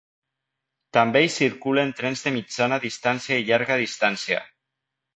També hi circulen trens de mitjana distància i llarga distància.